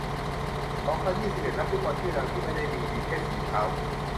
สองพันยี่สิบเอ็ด นักฟุตบอลชื่อดังที่ไม่ได้มีดีแค่ฝีเท้า